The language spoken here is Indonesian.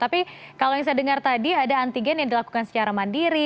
tapi kalau yang saya dengar tadi ada antigen yang dilakukan secara mandiri